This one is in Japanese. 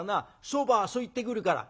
そばそいってくるから。